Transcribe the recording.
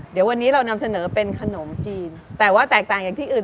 เดี๋ยววันนี้เรานำเสนอเป็นขนมจีนแต่ว่าแตกต่างจากที่อื่น